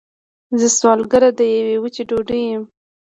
زه سوالګره د یوې وچې ډوډۍ یم